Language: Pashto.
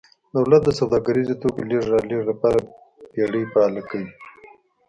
دولت د سوداګریزو توکو لېږد رالېږد لپاره بېړۍ فعالې کړې